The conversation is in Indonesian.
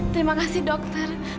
terima kasih dokter